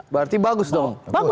berarti bagus dong bagus